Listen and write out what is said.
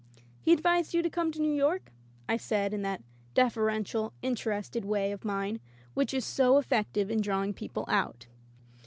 "He advised you to come to New York ?" I said in that deferential, interested way of mine which is so effective in drawing people out.